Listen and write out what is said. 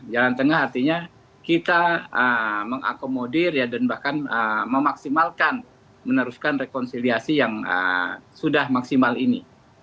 jalan tengah artinya kita mengakomodir dan bahkan memaksimalkan meneruskan rekonsiliasi yang sudah maksimal ini